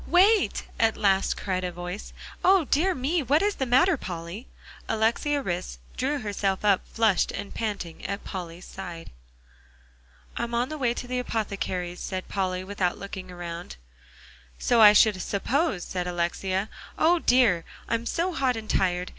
"Wait!" at last cried a voice; "O, dear me! what is the matter, Polly?" Alexia Rhys drew herself up flushed and panting at Polly's side. "I'm on the way to the apothecary's," said Polly, without looking around. "So I should suppose," said Alexia; "O, dear! I'm so hot and tired.